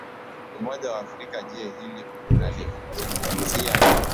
umoja wa afrika je hili unalizungumzia